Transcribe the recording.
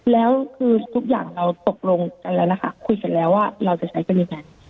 แล้วคือทุกอย่างเราตกลงกันแล้วนะคะคุยกันแล้วว่าเราจะใช้กันยังไง